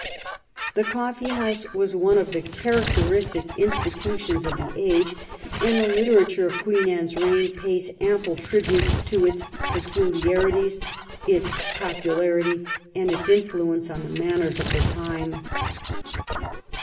The coffee house was one of the characteristic institutions of the age, and the literature of Queen Anne's reign pays ample tribute to its peculiarities, its popularity, and its influence on the manners of the time.